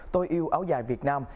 tôi yêu áo dài việt nam